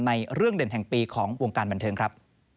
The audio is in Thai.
ในเรื่องเด่นแห่งปีของวงการบันเทิงครับ